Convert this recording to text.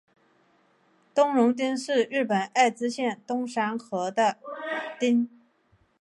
东荣町是日本爱知县东三河的町。